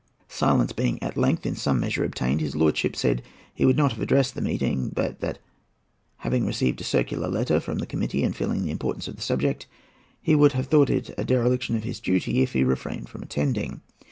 Silence being at length in some measure obtained, his lordship said he would not have addressed the meeting but that, having received a circular letter from the committee, and feeling the importance of the subject, he would have thought it a dereliction of his duty if he refrained from attending.